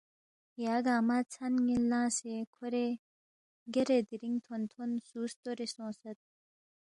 یا گنگمہ ژھن نین لنگسے کھورے گیرے دیرینگ تھون تھون سو ستورے سونگسید۔